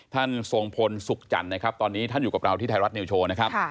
ทรงพลสุขจันทร์นะครับตอนนี้ท่านอยู่กับเราที่ไทยรัฐนิวโชว์นะครับ